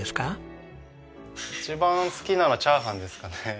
一番好きなのはチャーハンですかね。